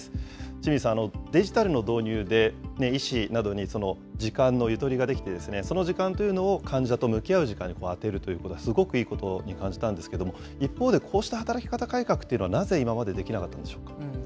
清水さん、デジタルの導入で医師などに時間のゆとりができて、その時間というのを患者と向き合う時間に充てるということは、すごくいいことに感じたんですけれども、一方で、こうした働き方改革というのはなぜ今までできなかったんでしょうか。